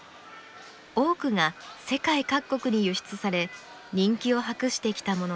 多くが世界各国に輸出され人気を博してきたものです。